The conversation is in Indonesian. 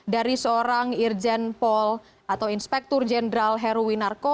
dari seorang irjen pol atau inspektur jenderal heruwinarko